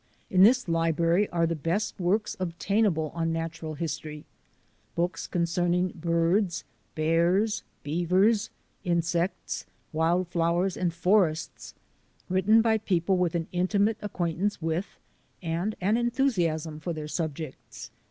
In this library are the best works obtainable on nat ural history: books concerning birds, bears, beav ers, insects, wild flowers, and forests, written by people with an intimate acquaintance with and an enthusiasm for their subjects.